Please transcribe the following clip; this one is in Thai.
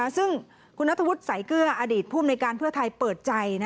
ซึ่งคุณนัทวุฒิสายเกลืออดีตภูมิในการเพื่อไทยเปิดใจ